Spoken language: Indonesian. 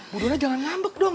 bu dona jangan ngambek dong